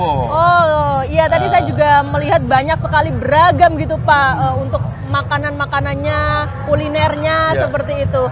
oh iya tadi saya juga melihat banyak sekali beragam gitu pak untuk makanan makanannya kulinernya seperti itu